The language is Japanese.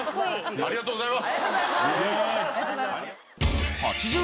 ありがとうございます。